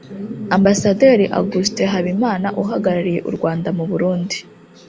Amabasaderi Augustin Habimana uhagarariye u Rwanda mu Burundi